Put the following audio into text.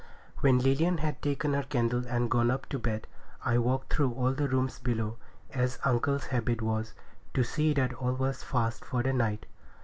When Lilian had taken her candle and gone up to bed, I walked through all the rooms below, as uncle's habit was, to see that all was fast for the night.